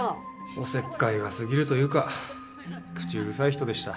おせっかいが過ぎるというか口うるさい人でした。